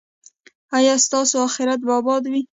ایا ستاسو اخرت به اباد وي؟